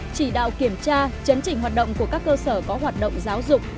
chỉ đạo kiểm tra chấn chỉnh hoạt động của các cơ sở có hoạt động giáo dục